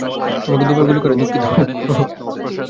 তোমাকে দুইবার গুলি করায় দুঃখিত।